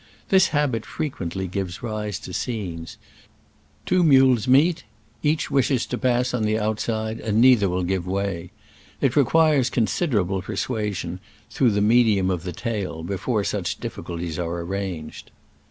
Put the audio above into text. This habit frequently gives rise to scenes : two mules meet — each wishes to pass on the outside, and neither will give way. It requires con siderable persuasion, through the me dium of the tail, before such difficulties are arranged.